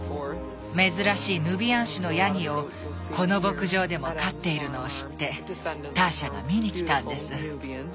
珍しいヌビアン種のヤギをこの牧場でも飼っているのを知ってターシャが見に来たんです。